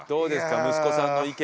息子さんの意見を。